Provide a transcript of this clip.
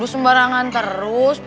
selamat hari raya